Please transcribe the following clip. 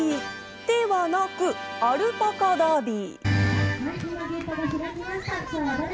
ではなく、アルパカダービー。